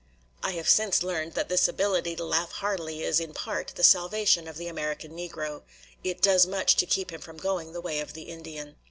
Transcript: I have since learned that this ability to laugh heartily is, in part, the salvation of the American Negro; it does much to keep him from going the way of the Indian.